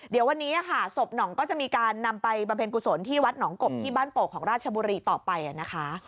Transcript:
เดี๋ยววันนี้ค่ะศพหนองก็จะมีการนำไปบำเพ็ญกุศลที่วัดหนองกบที่บ้านโป่งของราชบุรีต่อไปนะคะ